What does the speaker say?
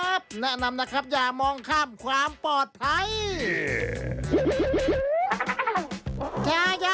แนะนำนะครับอย่ามองข้ามความปลอดภัย